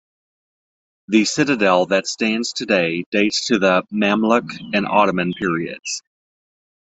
The citadel that stands today dates to the Mamluk and Ottoman periods.